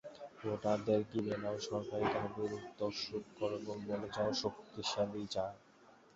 ভোটারদের কিনে নাও, সরকারি তহবিল তসরুপ করো এবং বনে যাও শক্তিশালী জার।